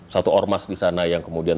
satu ormas di sana yang kemudian